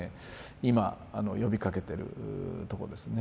今呼びかけてるとこですね。